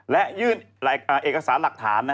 และยื่นเอกสารหลักฐาน